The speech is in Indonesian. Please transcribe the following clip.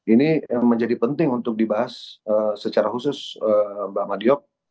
ini menjadi penting untuk dibahas secara khusus mbak madiok